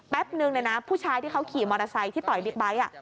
นึงเนี่ยนะผู้ชายที่เขาขี่มอเตอร์ไซค์ที่ต่อยบิ๊กไบท์